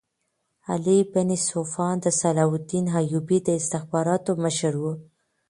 علي بن سفیان د صلاح الدین ایوبي د استخباراتو مشر وو.